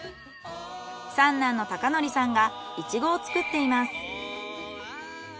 三男の貴臣さんがイチゴを作っています。